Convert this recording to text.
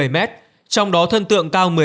hai mươi bảy m trong đó thân tượng cao